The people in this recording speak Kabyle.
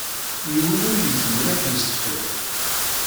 Yiwen ur yezmir ad k-yessefrek!